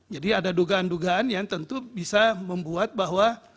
jadi ada dugaan dugaan yang tentu bisa membuat bahwa